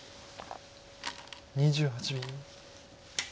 ２８秒。